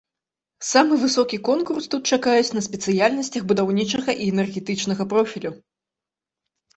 Самы высокі конкурс тут чакаюць на спецыяльнасцях будаўнічага і энергетычнага профілю.